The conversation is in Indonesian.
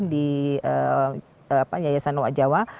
di yayasan owa jawa